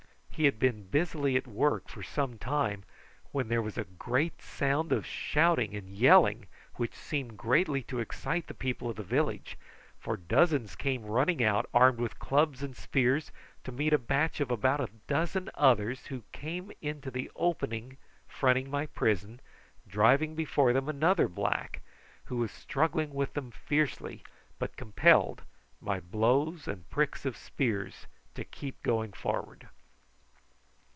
He had been busily at work for some time, when there was a great sound of shouting and yelling, which seemed greatly to excite the people of the village, for dozens came running out armed with clubs and spears, to meet a batch of about a dozen others, who came into the opening fronting my prison, driving before them another black, who was struggling with them fiercely, but compelled by blows and pricks of spears to keep going forward.